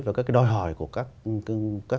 và các đòi hỏi của các